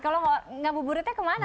kalau ngabuburitnya kemana tuh